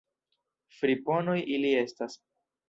Friponoj ili estas!